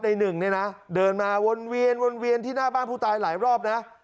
ในหนึ่งเนี่ยนะเดินมาวนเวียนวนเวียนที่หน้าบ้านผู้ตายหลายรอบนะ